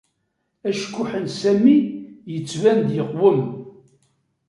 Acekkuḥ n Sami yettban-d yeqwem.